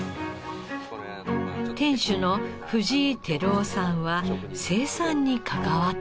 店主の藤井輝男さんは生産に関わった一人です。